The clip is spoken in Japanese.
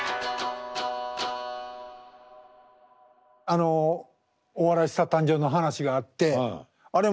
あの「お笑いスター誕生！！」の話があってあれ